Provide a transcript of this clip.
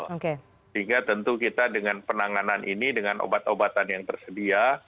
sehingga tentu kita dengan penanganan ini dengan obat obatan yang tersedia